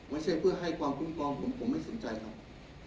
ไม่ใช่เพื่อให้ความคุ้มครองผมผมไม่สนใจหรอก